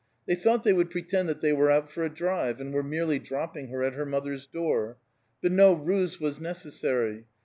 They thought they would pretend that they were out for a drive, and were merely dropping her at her mother's door; but no ruse was necessary.